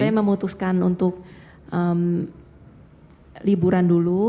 saya memutuskan untuk liburan dulu